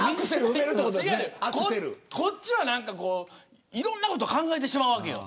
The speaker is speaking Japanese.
こっちは、いろんなことを考えてしまうわけよ。